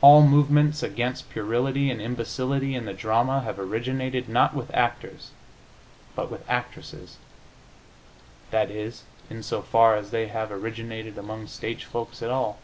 All movements against puerility and imbecility in the drama have originated, not with actors, but with actresses that is, in so far as they have originated among stage folks at all.